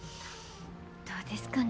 どうですかね？